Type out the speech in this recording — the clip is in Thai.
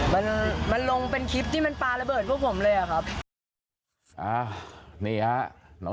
มันมันลงเป็นคลิปที่มันปลาระเบิดพวกผมเลยอ่ะครับอ่านี่ฮะน้อง